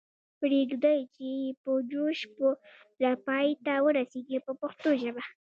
پریږدئ چې یې په جوش پوره پای ته ورسیږي په پښتو ژبه.